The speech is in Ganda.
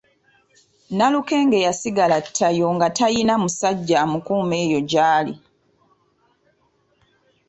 Nalukenge yasigala ttayo nga tayina musajja amukuuma eyo gyali.